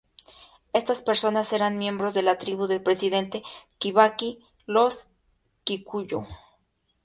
Estas personas eran miembros de la tribu del Presidente Kibaki, los Kikuyu.